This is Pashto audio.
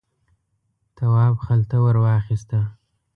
تواب خلته ور واخیسته.